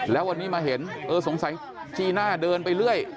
แล้ววันนี้มาเห็นเออสงสัยจีน่าเดินไปเรื่อย